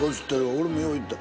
俺もよう行った。